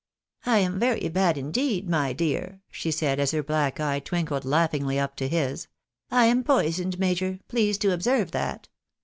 " I am very bad indeed, my dear," she said, as her black eye twinkled laughingly up to his. " I am poisoned, major, please to observe that.